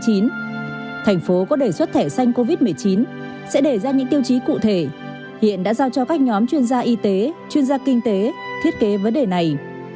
thành phố có đề xuất thẻ xanh covid một mươi chín sẽ để ra những tiêu chí cụ thể hiện đã giao cho các nhóm chuyên gia y tế chuyên gia kinh tế thiết kế vấn đề này